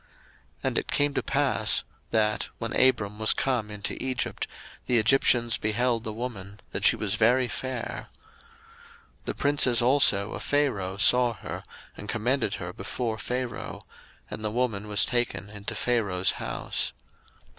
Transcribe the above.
01:012:014 And it came to pass, that, when Abram was come into Egypt, the Egyptians beheld the woman that she was very fair. 01:012:015 The princes also of Pharaoh saw her, and commended her before Pharaoh: and the woman was taken into Pharaoh's house.